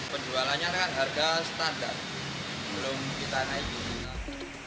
penjualannya kan harga standar belum kita naikin